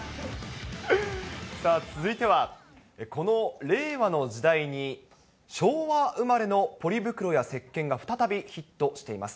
続いては、この令和の時代に昭和生まれのポリ袋やせっけんが再びヒットしています。